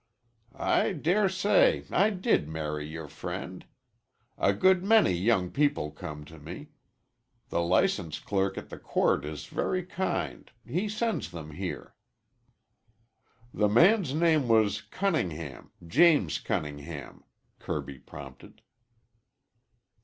"I dare say I did marry your friend. A good many young people come to me. The license clerk at the court is very kind. He sends them here." "The man's name was Cunningham James Cunningham," Kirby prompted.